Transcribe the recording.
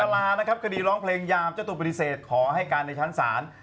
การ์ลาคดีร้องเพลงยามเจ้าตัวบริษัทขอให้การในชั้นสาร